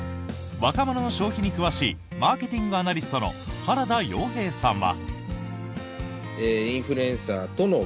若者の消費に詳しいマーケティングアナリストの原田曜平さんは。